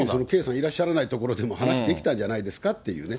いらっしゃらない所でも話できたんじゃないですかっていうね。